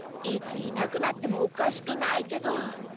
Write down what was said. いついなくなってもおかしくないけど。